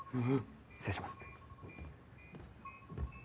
失礼します。